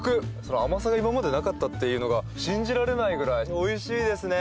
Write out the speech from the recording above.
甘さが今までなかったっていうのが信じられないくらいおいしいですね。